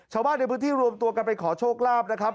ชาวบ้านในพื้นที่รวมตัวกันไปขอโชคลาภนะครับ